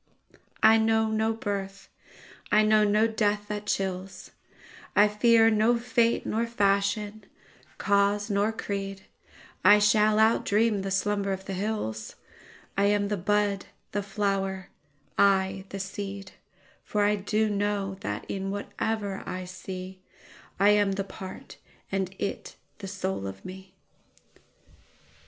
I know no birth, I know no death that chills;I fear no fate nor fashion, cause nor creed,I shall outdream the slumber of the hills,I am the bud, the flower, I the seed:For I do know that in whate'er I seeI am the part and it the soul of me.